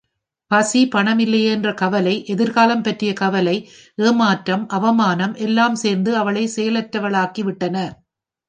பசி பணமில்லையே என்ற கவலை, எதிர்காலம் பற்றிய கவலை, ஏமாற்றம், அவமானம் எல்லம் சேர்ந்து அவளைச் செயலற்றவளாக்கி விட்டன.